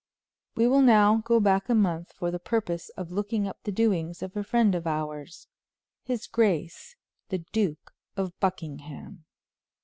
We will now go back a month for the purpose of looking up the doings of a friend of ours, his grace, the Duke of Buckingham.